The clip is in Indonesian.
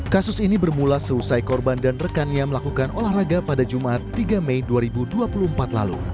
kasus ini bermula seusai korban dan rekannya melakukan olahraga pada jumat tiga mei dua ribu dua puluh empat lalu